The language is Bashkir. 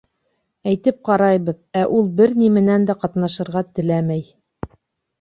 Әйтеп ҡарайбыҙ, ә ул бер ни менән дә ҡатнашырға теләмәй.